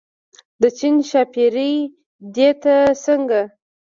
د چین ښاپېرۍ دي که څنګه.